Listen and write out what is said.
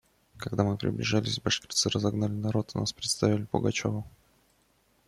Когда мы приближились, башкирцы разогнали народ и нас представили Пугачеву.